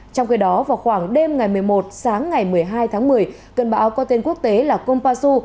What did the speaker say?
trong khi đó vào khoảng đêm ngày một mươi một sáng ngày một mươi hai tháng một mươi cơn bão có tên quốc tế là kompasu